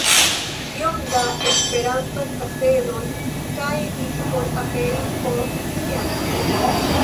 Kiom da Esperanto-kasedoj kaj diskoj aperis post tiam!